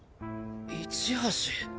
市橋。